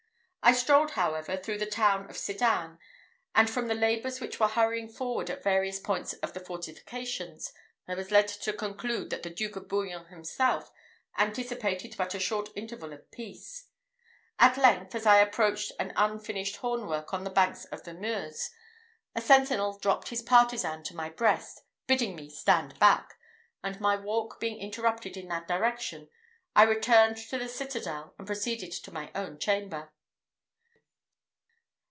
I strolled, however, through the town of Sedan; and from the labours which were hurrying forward at various points of the fortifications, I was led to conclude that the Duke of Bouillon himself anticipated but a short interval of peace. At length, as I approached an unfinished hornwork on the banks of the Meuse, a sentinel dropped his partisan to my breast, bidding me stand back; and, my walk being interrupted in that direction, I returned to the citadel and proceeded to my own chamber.